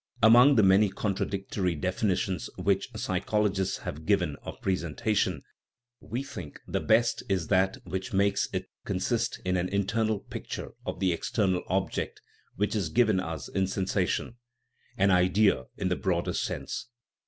Among the many contradictory definitions which psychologists have given of " presen tation/' we think the best is that which makes it consist in an internal picture of the external object which is given us in sensation an " idea/' in the broader sense.